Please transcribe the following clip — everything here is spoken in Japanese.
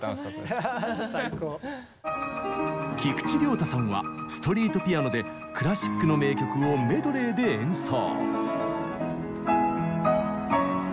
菊池亮太さんはストリートピアノでクラシックの名曲をメドレーで演奏。